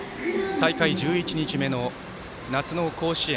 大会１１日目の夏の甲子園。